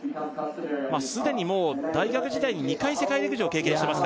すでにもう大学時代に２回世界陸上を経験してますからね